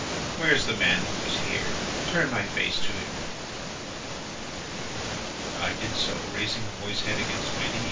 Where is the man who was here? Turn my face to him.' "I did so, raising the boy's head against my knee.